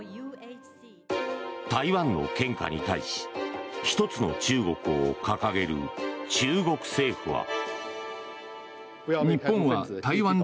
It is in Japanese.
台湾の献花に対し一つの中国を掲げる中国政府は。